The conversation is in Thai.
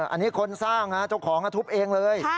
อันนี้คนสร้างเจ้าของทุบเองเลย